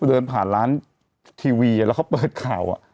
เดินผ่านร้านทีวีแล้วเขาเปิดข่าว